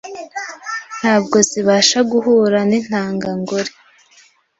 ntabwo zibasha guhura n’intangangore